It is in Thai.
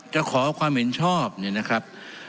จะขอความเห็นชอบนะครับ